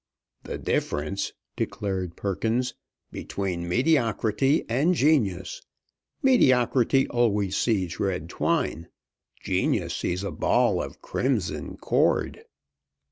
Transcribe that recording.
"The difference," declared Perkins, "between mediocrity and genius! Mediocrity always sees red twine; genius sees a ball of Crimson Cord!"